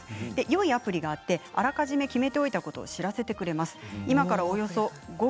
いいアプリがあって、あらかじめ決めておいたことを知らせてくれます。